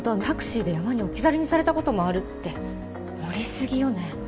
「タクシーで山に置き去りにされたこともある」って盛りすぎよね？